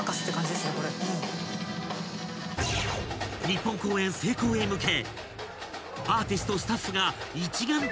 ［日本公演成功へ向け］